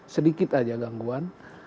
sedikit aja gangguan